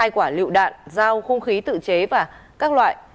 quả lựu đạn giao không khí tự chế và các loại